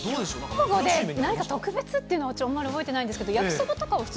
兵庫で何か特別っていうの、あんまり覚えていないんですけど、焼きそば？